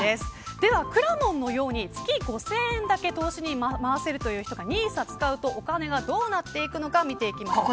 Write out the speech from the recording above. では、くらもんのように月５０００円だけ投資に回せるという人がＮＩＳＡを使うとお金がどうなっていくのか見ていきましょう。